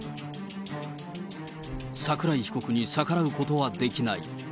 桜井被告に逆らうことはできない。